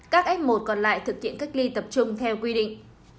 các f một còn lại thực hiện cách ly tập trung theo quy định